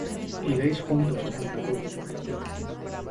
Iréis juntos a Santa Cruz.